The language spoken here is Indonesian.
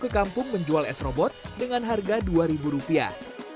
ke kampung menjual s robot dengan harga dua ribu rupiah